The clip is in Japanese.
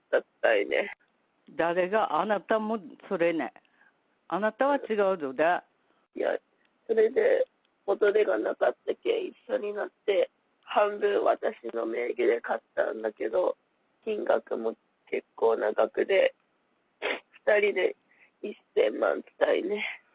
あなたもそれね、あないや、それで元手がなかったけん、一緒になって、半分私の名義で買ったんだけど、金額も結構な額で、２人で１０００万とたいね。